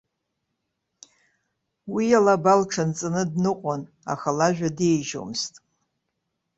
Уи алаба лҽанҵаны дныҟәон, аха лажәа деижьомызт.